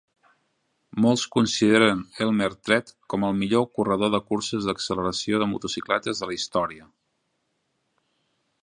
Molts consideren Elmer Trett com el millor corredor de curses d'acceleració de motocicletes de la història.